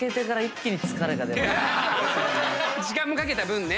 時間かけた分ね。